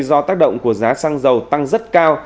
do tác động của giá xăng dầu tăng rất cao